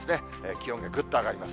気温がぐっと上がります。